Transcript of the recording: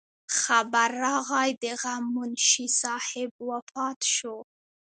خبر راغے د غم منشي صاحب وفات شو